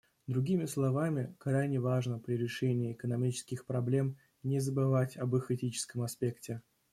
Другими словами, крайне важно при решении экономических проблем не забывать об их этическом аспекте.